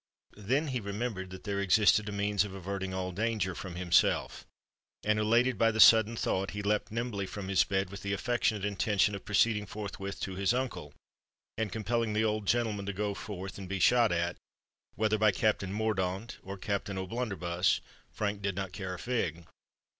Then he remembered that there existed a means of averting all danger from himself; and, elated by the sudden thought, he leapt nimbly from his bed, with the affectionate intention of proceeding forthwith to his uncle, and compelling the old gentleman to go forth and be shot at, whether by Captain Mordaunt or Captain O'Blunderbuss, Frank did not care a fig.